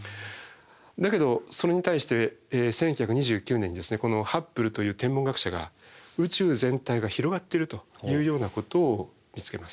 だけどそれに対して１９２９年にこのハッブルという天文学者が宇宙全体が広がってるというようなことを見つけます。